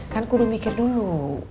kan kudu mikir dulu